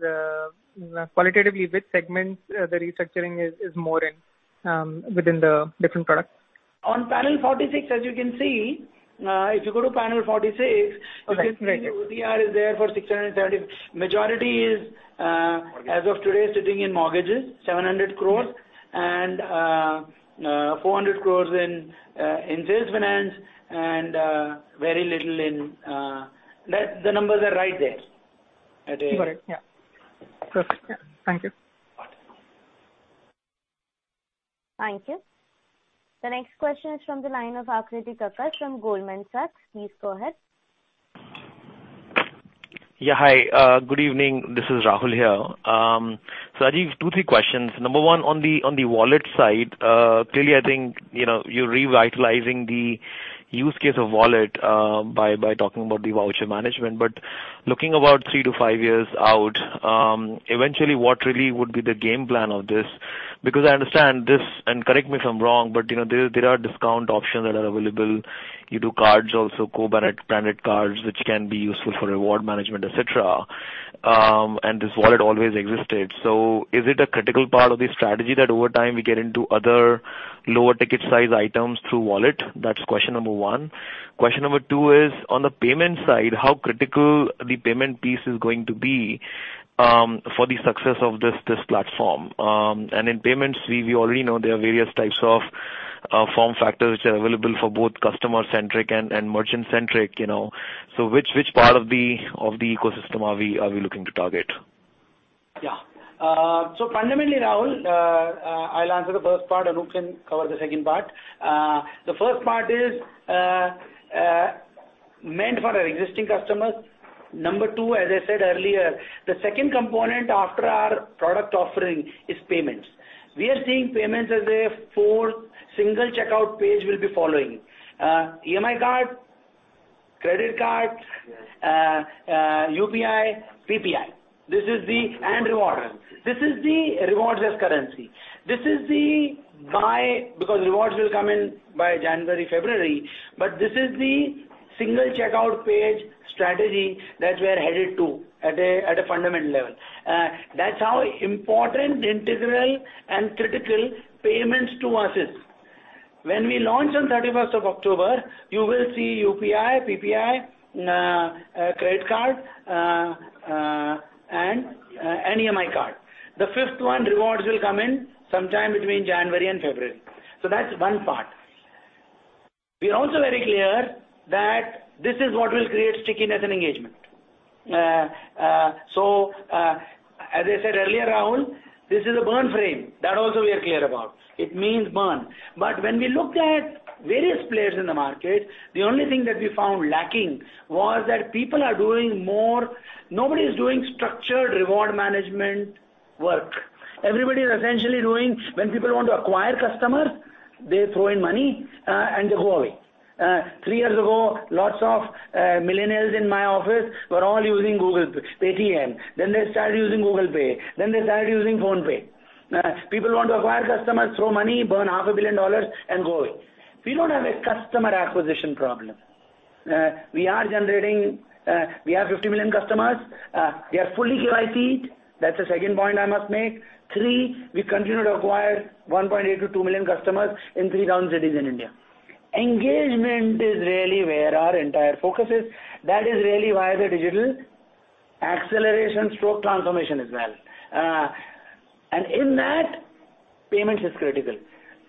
qualitatively which segments the restructuring is more in within the different products? On panel 46, as you can see, if you go to panel 46. Right You can see OTR is there for 670. Majority is, as of today, sitting in mortgages, 700 crores and 400 crores in sales finance and very little in. The numbers are right there. Got it. Yeah. Perfect. Thank you. Okay. Thank you. The next question is from the line of Aakriti Kakkar from Goldman Sachs. Please go ahead. Yeah. Hi, good evening. This is Rahul here. Rajeev, two, three questions. Number one, on the wallet side, clearly, I think you're revitalizing the use case of wallet by talking about the voucher management. Looking about three to five years out, eventually, what really would be the game plan of this? I understand this, and correct me if I'm wrong, but there are discount options that are available. You do cards also, co-branded cards, which can be useful for reward management, et cetera. This wallet always existed. Is it a critical part of the strategy that over time we get into other lower ticket size items through wallet? That's question number one. Question number two is, on the payment side, how critical the payment piece is going to be for the success of this platform? In payments, we already know there are various types of form factors which are available for both customer-centric and merchant-centric. Which part of the ecosystem are we looking to target? Fundamentally, Rahul, I'll answer the first part, Anup can cover the second part. The first part is meant for our existing customers. Number two, as I said earlier, the second component after our product offering is payments. We are seeing payments as a fourth single checkout page we'll be following. EMI card, credit card, UPI, PPI, and rewards. This is the rewards as currency. Rewards will come in by January, February, this is the single checkout page strategy that we're headed to at a fundamental level. That's how important, integral, and critical payments to us is. When we launch on 31st of October, you will see UPI, PPI, credit card, and an EMI card. The fifth one, rewards, will come in sometime between January and February. That's one part. We are also very clear that this is what will create stickiness and engagement. As I said earlier, Rahul, this is a burn frame. That also we are clear about. It means burn. When we look at various players in the market, the only thing that we found lacking was that people are doing more Nobody is doing structured reward management work. Everybody is essentially doing, when people want to acquire customers, they throw in money, and they go away. Three years ago, lots of millennials in my office were all using Paytm. They started using Google Pay, then they started using PhonePe. People want to acquire customers, throw money, burn half a billion dollars, and go away. We don't have a customer acquisition problem. We are generating. We have 50 million customers. They are fully KYC'd. That's the second point I must make. Three, we continue to acquire 1.8 million to 2 million customers in 3,000 cities in India. Engagement is really where our entire focus is. That is really why the digital acceleration stroke transformation as well. In that, payments is critical.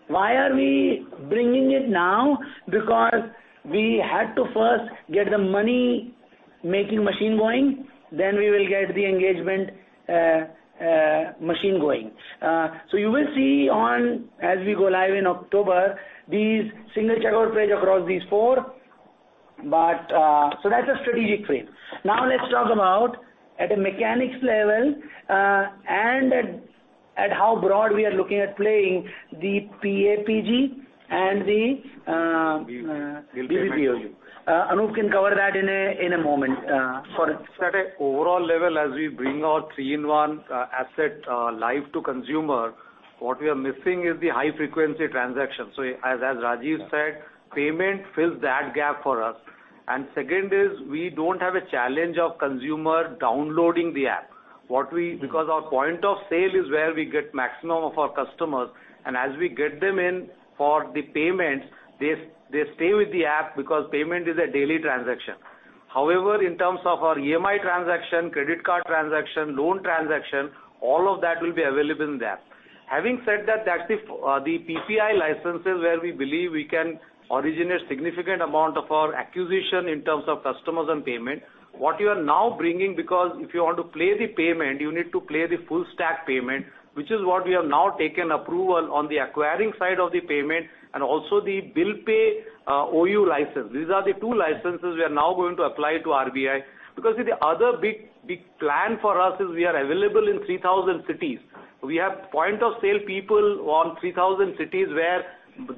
Why are we bringing it now? We had to first get the money-making machine going, then we will get the engagement machine going. You will see on, as we go live in October, these single checkout page across these four. That's a strategic frame. Let's talk about at a mechanics level, and at how broad we are looking at playing the PA/PG. BBPOU. BBPOU. Anup can cover that in a moment. Sure. At an overall level, as we bring our three-in-one asset live to consumer, what we are missing is the high-frequency transactions. As Rajeev said, payment fills that gap for us. Second is, we don't have a challenge of consumer downloading the app. Because our point of sale is where we get maximum of our customers, and as we get them in for the payments, they stay with the app because payment is a daily transaction. However, in terms of our EMI transaction, credit card transaction, loan transaction, all of that will be available in there. Having said that's the PPI licenses where we believe we can originate significant amount of our acquisition in terms of customers and payment. What we are now bringing, because if you want to play the payment, you need to play the full stack payment, which is what we have now taken approval on the acquiring side of the payment and also the BBPOU license. These are the two licenses we are now going to apply to RBI. The other big plan for us is we are available in 3,000 cities. We have point-of-sale people on 3,000 cities where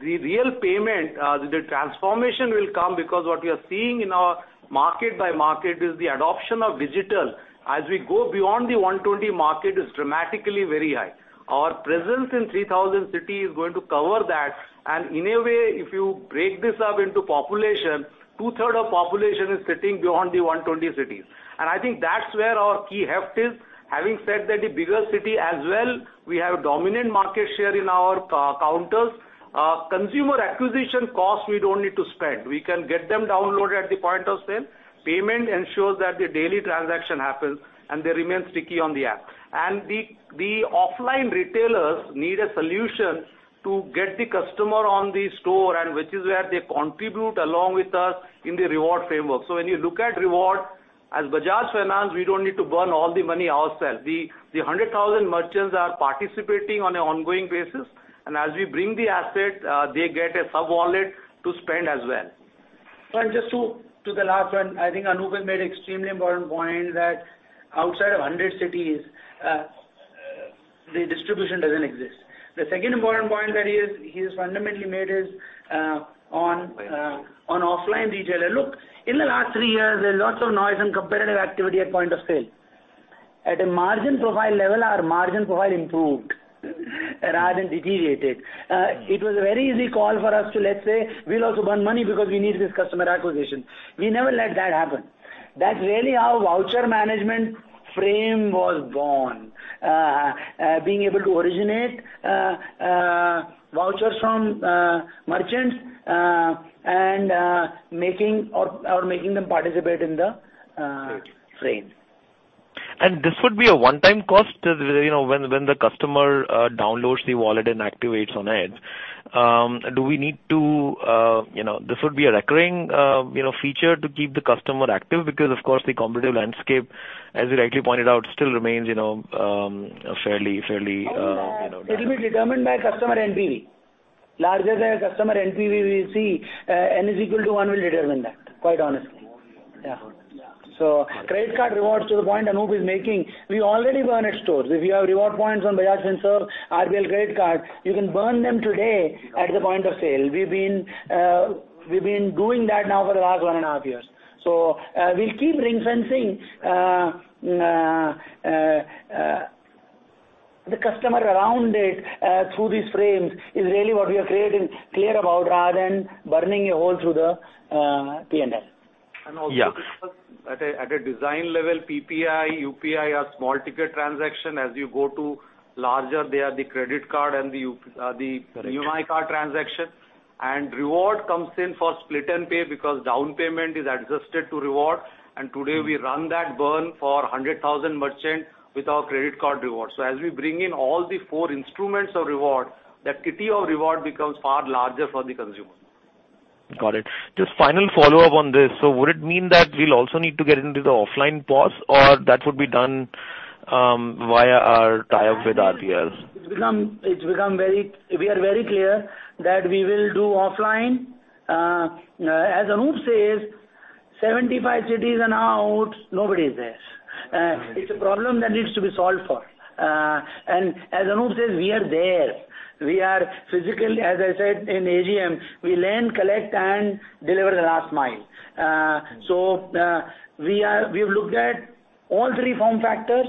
the real payment, the transformation will come because what we are seeing in our market by market is the adoption of digital. As we go beyond the 120 market is dramatically very high. Our presence in 3,000 cities is going to cover that, and in a way, If you break this up into population, 2/3 of population is sitting beyond the 120 cities. I think that's where our key heft is. Having said that, the bigger city as well, we have dominant market share in our counters. Consumer acquisition costs, we don't need to spend. We can get them downloaded at the point of sale. Payment ensures that the daily transaction happens, and they remain sticky on the app. The offline retailers need a solution to get the customer on the store, and which is where they contribute along with us in the reward framework. When you look at reward, as Bajaj Finance, we don't need to burn all the money ourselves. The 100,000 merchants are participating on an ongoing basis, and as we bring the assets, they get a sub-wallet to spend as well. Just to the last one, I think Anup has made extremely important point that outside of 100 cities, the distribution doesn't exist. The second important point that he's fundamentally made is on offline retailer. Look, in the last three years, there's lots of noise and competitive activity at point of sale. At a margin profile level, our margin profile improved rather than deteriorated. It was a very easy call for us to, let's say, we'll also burn money because we need this customer acquisition. We never let that happen. That's really how voucher management frame was born. Being able to originate vouchers from merchants, or making them participate in the frame. This would be a one-time cost when the customer downloads the wallet and activates on it. This would be a recurring feature to keep the customer active because, of course, the competitive landscape, as you rightly pointed out, still remains fairly. It will be determined by customer NPV. Larger the customer NPV we see and is equal to one will determine that, quite honestly. Yeah. Credit card rewards to the point Anup is making, we already burn at stores. If you have reward points on Bajaj Finserv, RBL Credit Card, you can burn them today at the point of sale. We've been doing that now for the last 1.5 years. We'll keep ring-fencing the customer around it through these frames is really what we are clear about rather than burning a hole through the P&L. Also because at a design level, PPI, UPI are small ticket transaction. As you go to larger, they are the credit card and the UPI card transaction. Reward comes in for split and pay because down payment is adjusted to reward. Today, we run that burn for 100,000 merchant with our credit card reward. As we bring in all the four instruments of reward, that kitty of reward becomes far larger for the consumer. Got it. Just final follow-up on this. Would it mean that we'll also need to get into the offline POS, or that would be done via our tie-up with RBL? We are very clear that we will do offline. As Anup says, 75 cities and out, nobody is there. It's a problem that needs to be solved for. As Anup says, we are there. We are physical, as I said in AGM, we lend, collect, and deliver the last mile. We've looked at all three form factors.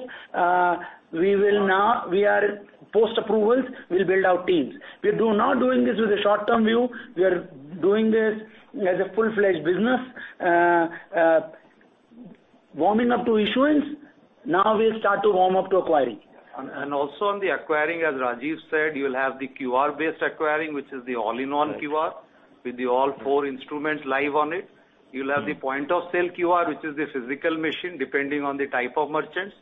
Post-approvals, we'll build our teams. We are not doing this with a short-term view. We are doing this as a full-fledged business. Warming up to issuance. Now we'll start to warm up to acquiring. Also on the acquiring, as Rajeev said, you'll have the QR-based acquiring, which is the all-in-one QR with the all four instruments live on it. You'll have the point-of-sale QR, which is the physical machine, depending on the type of merchants.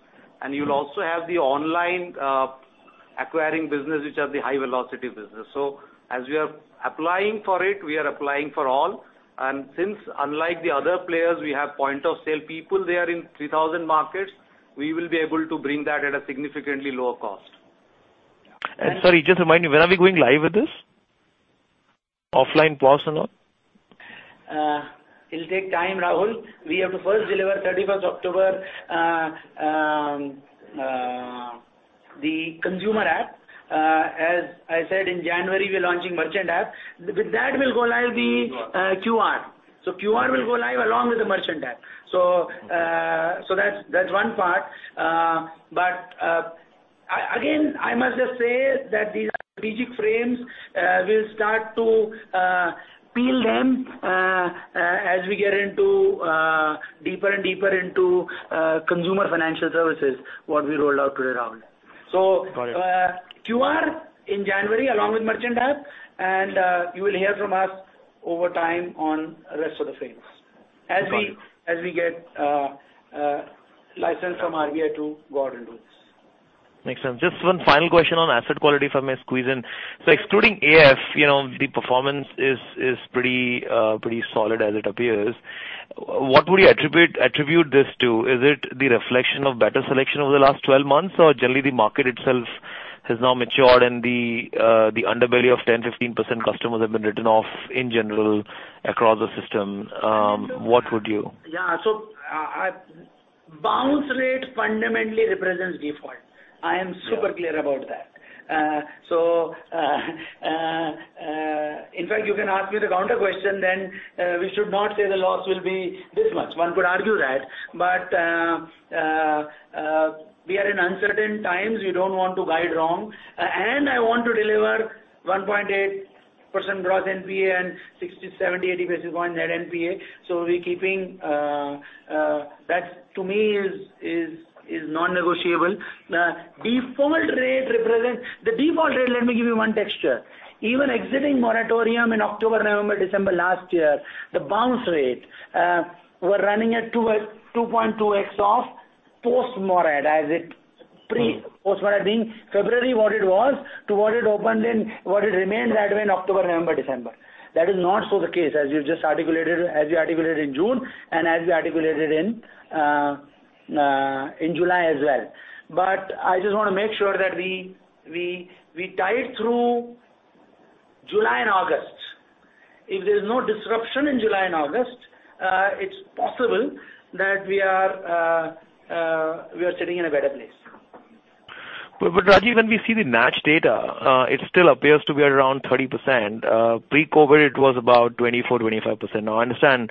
You'll also have the online acquiring business, which are the high-velocity business. As we are applying for it, we are applying for all. Since, unlike the other players, we have point-of-sale people there in 3,000 markets, we will be able to bring that at a significantly lower cost. Sorry, just remind me, when are we going live with this? Offline POS and all? It'll take time, Rahul. We have to first deliver 31st October, the consumer app. As I said, in January, we're launching Merchant app. With that will go live the QR. QR will go live along with the Merchant app. That's one part. Again, I must just say that these strategic frames, we'll start to peel them as we get deeper and deeper into consumer financial services, what we rolled out today, Rahul. Got it. QR in January, along with Merchant app, and you will hear from us over time on rest of the frames. Got it. As we get license from RBI to go out and do this. Makes sense. Just one final question on asset quality, if I may squeeze in. Excluding AF, the performance is pretty solid as it appears. What would you attribute this to? Is it the reflection of better selection over the last 12 months, or generally the market itself has now matured and the underbelly of 10%, 15% customers have been written off in general across the system? What would you? Yeah. Bounce rate fundamentally represents default. I am super clear about that. In fact, you can ask me the counter question then, we should not say the loss will be this much. One could argue that. We are in uncertain times. We don't want to guide wrong. I want to deliver 1.8% gross NPA and 60, 70, 80 basis point net NPA. We're keeping. That to me is non-negotiable. The default rate, let me give you one texture. Even exiting moratorium in October, November, December last year, the bounce rate, were running at 2.2x of post-moratorium. Post-morat being February, what it was to what it opened and what it remained at in October, November, December. That is not so the case as you articulated in June and as we articulated in July as well. I just want to make sure that we tide through July and August. If there's no disruption in July and August, it's possible that we are sitting in a better place. Rajeev Jain, when we see the NACH data, it still appears to be around 30%. Pre-COVID it was about 24%, 25%. I understand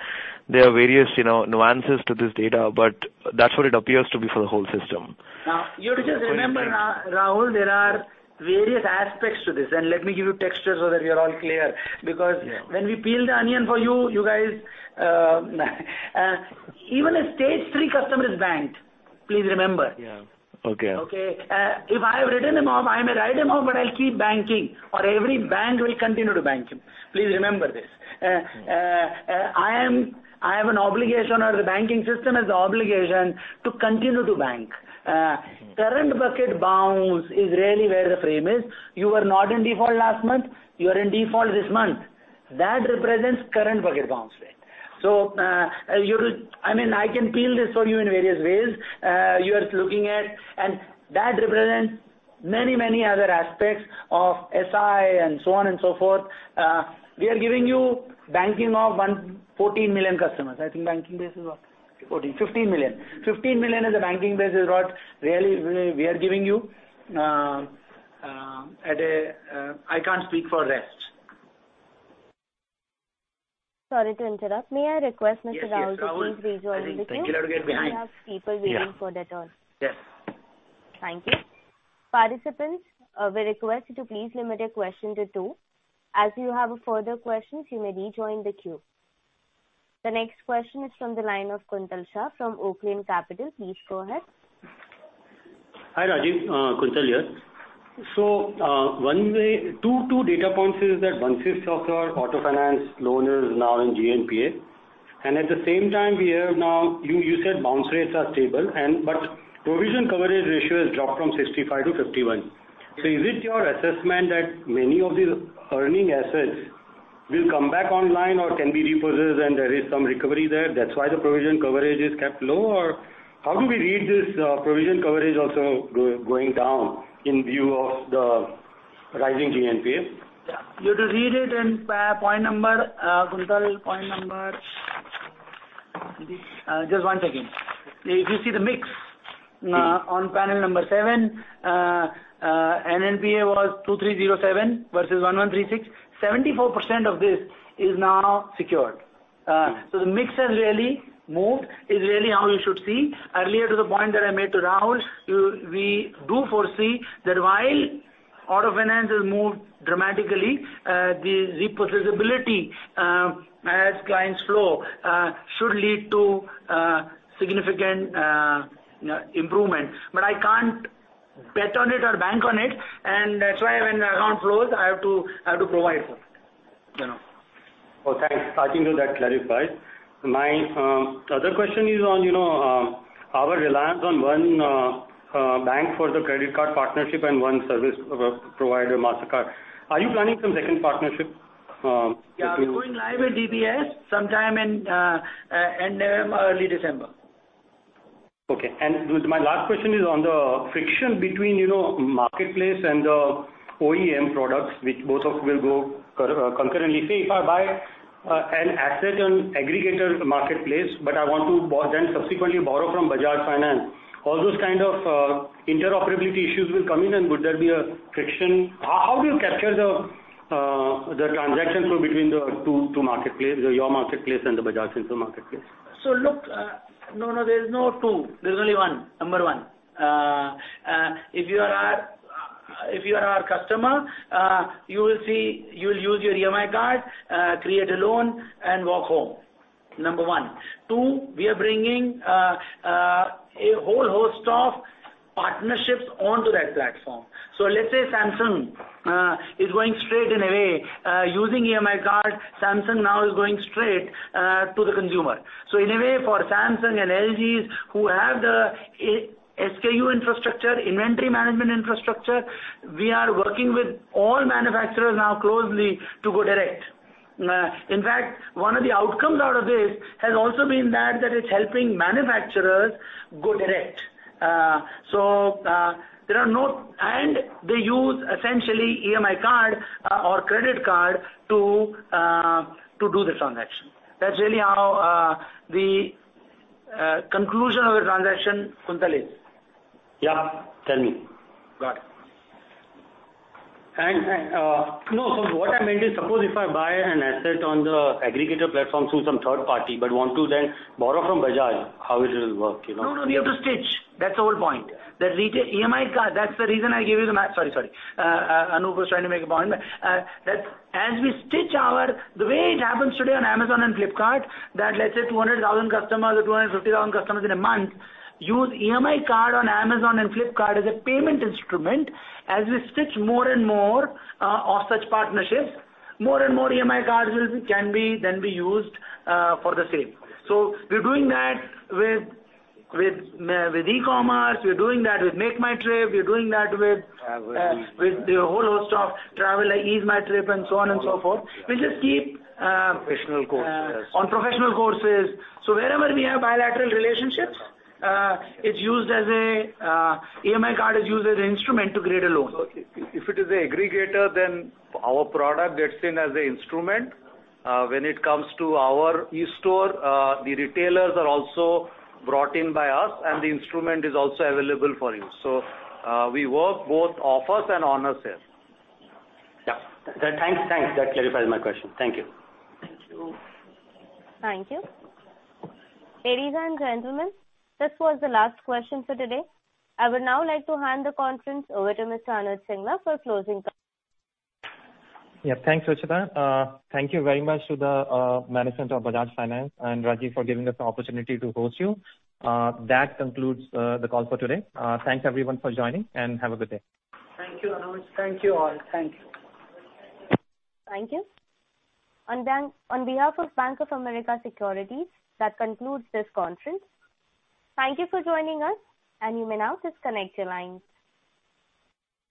there are various nuances to this data, but that's what it appears to be for the whole system. You have to just remember, Rahul, there are various aspects to this, and let me give you texture so that we are all clear. When we peel the onion for you guys, even a stage three customer is banked. Please remember. Yeah. Okay. Okay. If I have written him off, I may write him off, but I'll keep banking or every bank will continue to bank him. Please remember this. I have an obligation, or the banking system has the obligation to continue to bank. Current bucket bounce is really where the frame is. You were not in default last month. You are in default this month. That represents current bucket bounce rate. I can peel this for you in various ways, you are looking at and that represents many other aspects of SI and so on and so forth. We are giving you banking of 14 million customers. I think banking base is what? 15 million. 15 million is the banking base is what really we are giving you. I can't speak for rest. Sorry to interrupt. May I request Mr. Rahul to please rejoin the queue? Yes. Rahul. I think you'll have to get behind. We have people waiting for the turn. Yeah. Yes. Thank you. Participants, we request you to please limit your question to 2. As you have further questions, you may rejoin the queue. The next question is from the line of Kuntal Shah from Oaklane Capital. Please go ahead. Hi, Rajeev Jain. Kuntal Shah here. Two data points is that one-fifth of our auto finance loan is now in GNPA. At the same time, you said bounce rates are stable, but provision coverage ratio has dropped from 65 to 51. Is it your assessment that many of these earning assets will come back online or can be repossessed and there is some recovery there, that's why the provision coverage is kept low? How do we read this provision coverage also going down in view of the rising GNPA? You have to read it in point number, Kuntal. Just one second. If you see the mix on panel number seven, NPA was 2,307 versus 1,136. 74% of this is now secured. The mix has really moved, is really how you should see. Earlier to the point that I made to Rahul, we do foresee that while auto finance has moved dramatically, the repossessibility as clients flow, should lead to significant improvement. I can't bet on it or bank on it, and that's why when the account flows, I have to provide for it. Thanks. I think that clarifies. My other question is on our reliance on one bank for the credit card partnership and one service provider, Mastercard. Are you planning some second partnership? Yeah, we're going live with DBS sometime in November or early December. Okay. My last question is on the friction between marketplace and the OEM products, which both of will go concurrently. Say, if I buy an asset on aggregator marketplace, but I want to then subsequently borrow from Bajaj Finance, all those kind of interoperability issues will come in and would there be a friction? How do you capture the transaction flow between the two marketplace, your marketplace and the Bajaj Finance marketplace? Look, no, there's no two, there's only one, number one. If you are our customer, you will use your EMI card, create a loan and walk home. Number one. Two, we are bringing a whole host of partnerships onto that platform. Let's say Samsung is going straight in a way, using EMI card, Samsung now is going straight to the consumer. In a way, for Samsung and LGs who have the SKU infrastructure, inventory management infrastructure, we are working with all manufacturers now closely to go direct. In fact, One of the outcomes out of this has also been that it's helping manufacturers go direct. They use essentially EMI card or credit card to do the transaction. That's really how the conclusion of a transaction, Kuntal, is. Yeah. Tell me. Got it. No, what I meant is suppose if I buy an asset on the aggregator platform through some third party but want to then borrow from Bajaj, how it will work? No, you have to stitch. That's the whole point. That retail EMI card, that's the reason I gave you the math. Sorry. Anup was trying to make a point, but as we stitch the way it happens today on Amazon and Flipkart, that let's say 200,000 customers or 250,000 customers in a month use EMI card on Amazon and Flipkart as a payment instrument. As we stitch more and more of such partnerships, more and more EMI cards can then be used for the same. We're doing that with e-commerce. We're doing that with MakeMyTrip. We're doing that with a whole host of travel like EaseMyTrip and so on and so forth. Professional courses. On professional courses. Wherever we have bilateral relationships, EMI card is used as an instrument to create a loan. If it is an aggregator, our product gets in as an instrument. When it comes to our eStore, the retailers are also brought in by us, and the instrument is also available for use. We work both offers and on a sale. Yeah. Thanks. That clarifies my question. Thank you. Thank you. Thank you. Ladies and gentlemen, this was the last question for today. I would now like to hand the conference over to Mr. Anuj Singla for closing comments. Yeah. Thanks, Ruchita. Thank you very much to the management of Bajaj Finance and Rajeev for giving us the opportunity to host you. That concludes the call for today. Thanks everyone for joining and have a good day. Thank you, Anuj. Thank you all. Thank you. Thank you. On behalf of Bank of America Securities, that concludes this conference. Thank you for joining us, and you may now disconnect your lines.